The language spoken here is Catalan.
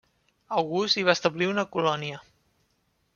August hi va establir una colònia.